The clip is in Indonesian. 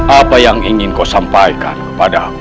apa yang ingin kau sampaikan kepada aku